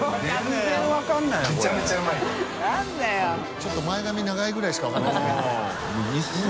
ちょっと前髪長いぐらいしか分かりませんが。